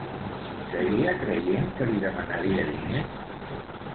Seguia creient que li demanaria diners?